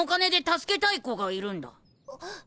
あっ。